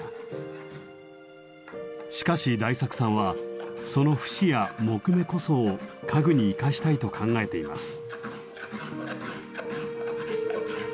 しかし大作さんはその節や木目こそを家具に生かしたいと考えています。